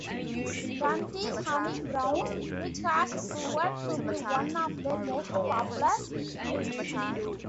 Dundee's Honey Brown, which has proven to be one of their most popular brews.